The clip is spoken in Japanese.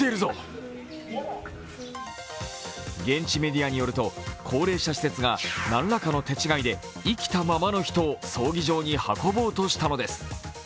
現地メディアによると、高齢者施設が何らかの手違いで生きたままの人を葬儀場に運ぼうとしたのです。